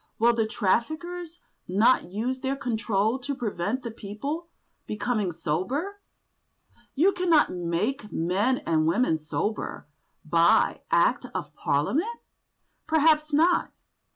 Will the traffickers not use their control to prevent the people becoming sober? "You cannot make men and women sober by Act of Parliament?" Perhaps not.